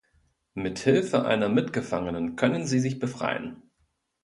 Mit Hilfe einer Mitgefangenen können sie sich befreien.